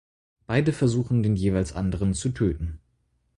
Beide versuchen den jeweils anderen zu töten.